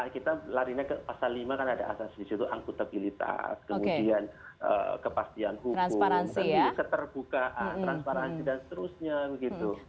kita larinya ke pasal lima karena ada asas disitu angkutabilitas kemudian kepastian hukum keterbukaan transparansi dan seterusnya